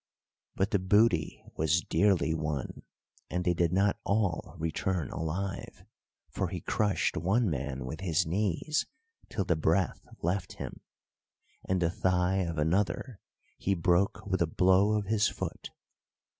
But the booty was dearly won, and they did not all return alive; for he crushed one man with his knees till the breath left him, and the thigh of another he broke with a blow of his foot.